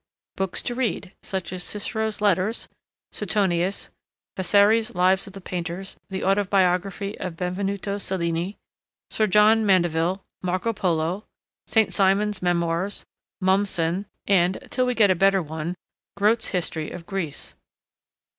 Books to read, such as Cicero's Letters, Suetonius, Vasari's Lives of the Painters, the Autobiography of Benvenuto Cellini, Sir John Mandeville, Marco Polo, St. Simon's Memoirs, Mommsen, and (till we get a better one) Grote's History of Greece.